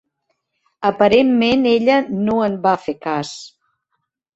Aparentment ella no en va fer cas.